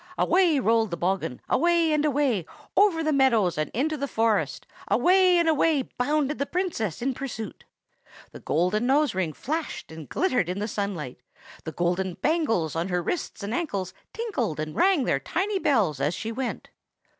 "Away rolled the bogghun, away and away, over the meadows and into the forest; away and away bounded the Princess in pursuit. The golden nose ring flashed and glittered in the sunlight; the golden bangles on her wrists and ankles tinkled and rang their tiny bells as she went.